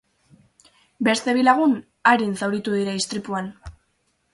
Beste bi lagun arin zauritu dira istripuan.